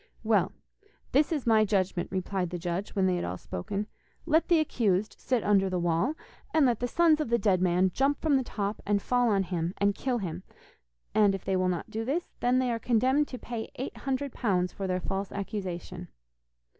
'Well, this is my judgment,' replied the judge, when they had all spoken: 'Let the accused sit under the wall, and let the sons of the dead man jump from the top and fall on him and kill him, and if they will not to this, then they are condemned to pay eight hundred pounds for their false accusation.